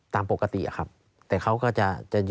ตามปกติอะครับแต่เขาก็จะ